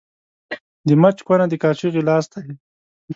د مچ کونه ، د کاچوغي لاستى.